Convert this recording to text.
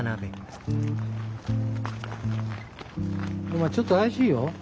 お前ちょっと怪しいよ。